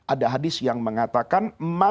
ada hadis yang mengatakan